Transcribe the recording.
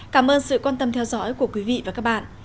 cảm ơn sự quan tâm theo dõi của quý vị và các bạn